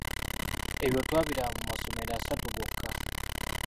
Ebyo twabiraba mu masomero asatu gokka.